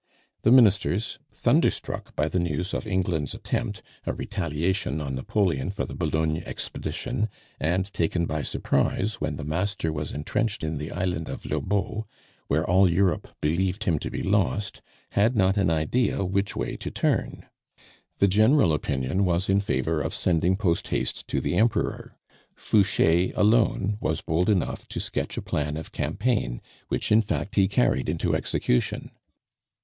The Ministers, thunderstruck by the news of England's attempt, a retaliation on Napoleon for the Boulogne expedition, and taken by surprise when the Master was entrenched in the island of Lobau, where all Europe believed him to be lost, had not an idea which way to turn. The general opinion was in favor of sending post haste to the Emperor; Fouche alone was bold enough to sketch a plan of campaign, which, in fact, he carried into execution.